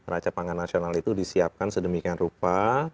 raca pangan nasional itu disiapkan sedemikian rupa